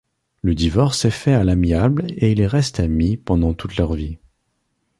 Le divorce est fait à l'amiable et ils restent amis pendant toute leur vie.